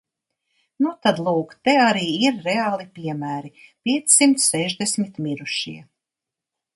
Nu tad lūk te arī ir reāli piemēri – piecsimt sešdesmit mirušie.